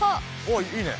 あいいね。